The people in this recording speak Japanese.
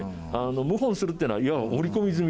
謀反するっていうのはいわば織り込み済みで。